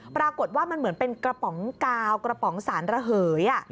ปรากฏว่ามันเหมือนเป็นกระป๋องกาวกระป๋องสารระเหย